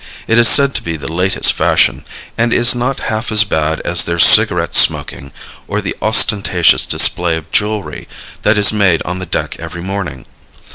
It is said to be the latest fashion, and is not half as bad as their cigarette smoking or the ostentatious display of jewelry that is made on the deck every morning.